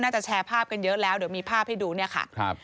จะแชร์ภาพกันเยอะแล้วเดี๋ยวมีภาพให้ดูเนี่ยค่ะครับ